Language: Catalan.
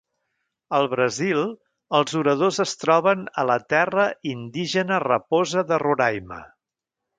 Al Brasil, els oradors es troben a la Terra Indígena Raposa de Roraima.